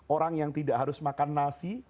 orang yang tidak harus makan nasi